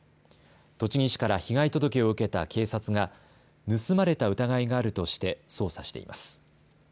栃木市から被害届を受けた警察が盗まれた疑いがあるとして捜査しています。